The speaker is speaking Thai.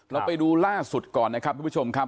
เราไปดูล่าสุดก่อนนะครับทุกผู้ชมครับ